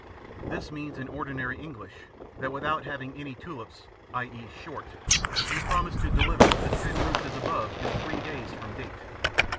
This means in ordinary English, that without having any tulips (i. e., short,) you promise to deliver the ten roots as above in three days from date.